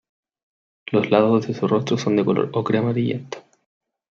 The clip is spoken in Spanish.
Los lados de su rostro son de color ocre amarillento.